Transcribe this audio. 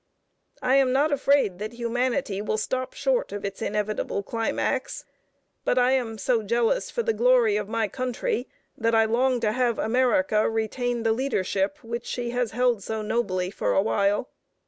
I am not afraid that humanity will stop short of its inevitable climax, but I am so jealous for the glory of my country that I long to have America retain the leadership which she has held so nobly for a while.